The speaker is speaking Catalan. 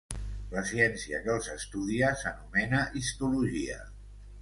La ciència que els estudia s'anomena histologia.